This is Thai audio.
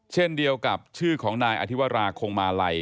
เช่นเดียวกับชื่อของนายอธิวราคงมาลัย